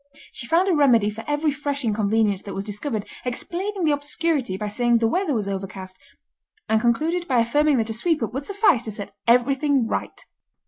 She found a remedy for every fresh inconvenience that was discovered, explaining the obscurity by saying the weather was overcast, and concluded by affirming that a sweep up would suffice to set everything right.